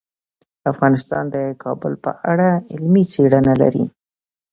افغانستان د کابل په اړه علمي څېړنې لري.